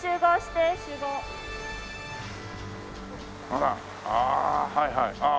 ああはいはい。